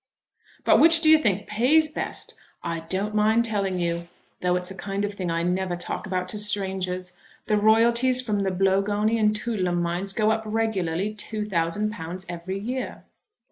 "But which do you think pays best? I don't mind telling you, though it's a kind of thing I never talk about to strangers, the royalties from the Blogownie and Toodlem mines go up regularly two thousand pounds every year."